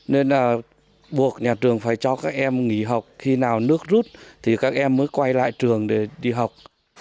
nên là buộc nhà trường phải cho các em nghỉ học khi nào nước rút thì các em mới quay lại trường để đi học